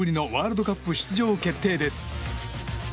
３６年ぶりのワールドカップ出場決定です。